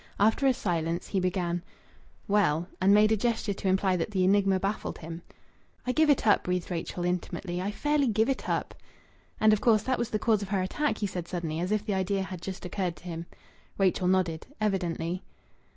After a silence he began "Well " and made a gesture to imply that the enigma baffled him. "I give it up!" breathed Rachel intimately. "I fairly give it up!" "And of course that was the cause of her attack?" he said suddenly, as if the idea had just occurred to him. Rachel nodded "Evidently."